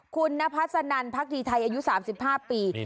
คุณนพัสนันพักดีไทยอายุ๓๕ปี